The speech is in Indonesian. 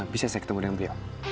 bisa saya ketemu dengan beliau